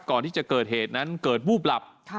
ก่อนที่จะเกิดเหตุนั้นเกิดวูบหลับ